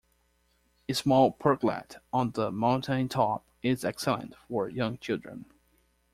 A small parklet on the mountaintop is excellent for young children.